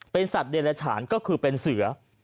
เป็นสัตว์เดรฉานก็คือเป็นเสือ